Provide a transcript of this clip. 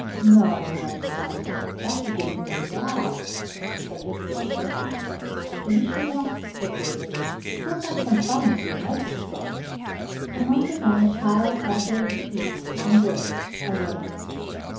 "No, no, son. Doctor didn't mean that," said his sister. "Finish your milk," said David. "We'll have some fun with the microscope." And once again the child essayed to eat and drink a little.